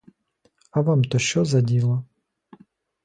А вам то що за діло?